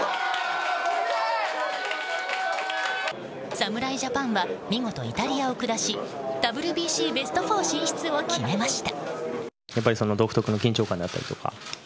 侍ジャパンは見事イタリアを下しＷＢＣベスト４進出を決めました。